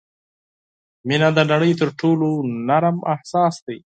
• مینه د نړۍ تر ټولو نرم احساس دی.